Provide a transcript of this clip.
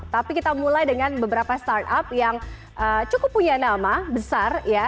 tapi kita mulai dengan beberapa startup yang cukup punya nama besar ya